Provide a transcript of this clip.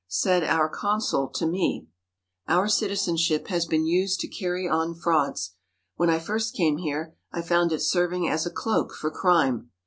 Said our consul to me: "Our citizenship has been used to carry on frauds. When I first came here I found it serving as a cloak for crime.